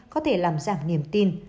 có thể làm giảm niềm tin